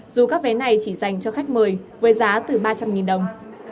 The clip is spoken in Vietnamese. dù các vé này chỉ dành cho khách mời với giá từ ba trăm linh đồng